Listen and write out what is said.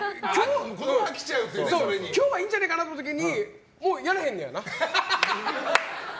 今日はいいんじゃねえかなと思った時にもうやらへんねやな？